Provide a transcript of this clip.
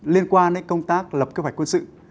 liên quan đến công tác lập kế hoạch quân sự